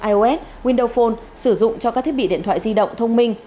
ios windows phone sử dụng cho các thiết bị điện thoại di động thông minh